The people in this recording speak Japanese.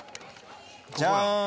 じゃーん。